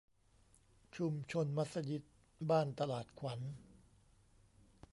ชุมชนมัสยิดบ้านตลาดขวัญ